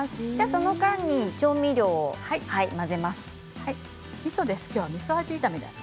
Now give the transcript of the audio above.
その間に調味料を混ぜます。